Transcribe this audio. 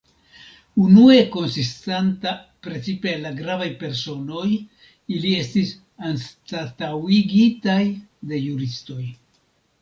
Unue konsistanta precipe el la gravaj personoj, ili estis anstataŭigitaj de juristoj.